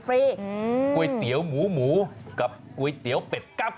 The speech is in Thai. ก๋วยเตี๋ยวหมูหมูกับก๋วยเตี๋ยวเป็ดกั๊บ